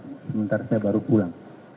sementara saya baru pulang